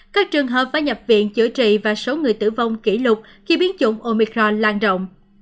các trường hợp phải nhập viện chữa trị và số người tử vong kỷ lục khi biến chủng omicron lan rộng